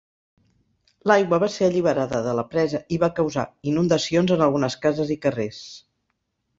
L'aigua va ser alliberada de la presa i va causar inundacions en algunes cases i carrers.